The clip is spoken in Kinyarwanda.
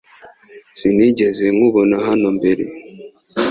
Sinigeze nkubona hano mbere